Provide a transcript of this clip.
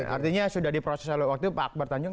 artinya sudah diproses oleh waktu itu pak akbar tanjung